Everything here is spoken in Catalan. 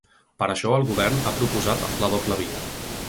Per això el govern ha proposat la doble via.